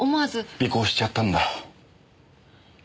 尾行しちゃったんだ？